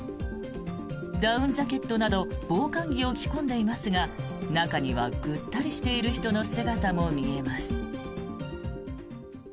ダウンジャケットなど防寒着を着込んでいますが中にはぐったりしている人の姿も見えます。